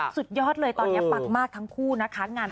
สุดยอดเลยตอนนี้ปังมากทั้งคู่นะคะ